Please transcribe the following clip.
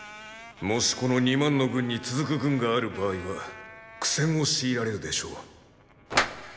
もしこの二万の軍に続く軍がある場合は苦戦を強いられるでしょう。